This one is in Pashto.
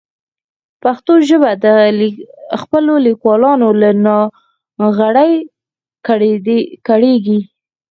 پښتو ژبه د خپلو لیکوالانو له ناغېړۍ کړېږي.